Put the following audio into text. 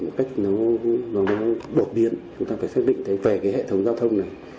một cách nó đột biến chúng ta phải xác định về cái hệ thống giao thông này